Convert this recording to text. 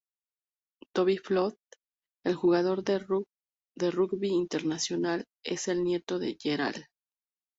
Toby Flood, el jugador de rugby internacional, es el nieto de Gerald.